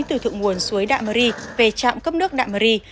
từ thượng nguồn suối đạm mưu ri về trạm cấp nước đạm mưu ri